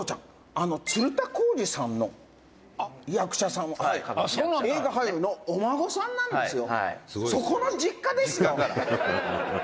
あの鶴田浩二さんの役者さんの、映画俳優のお孫さんなんですよ」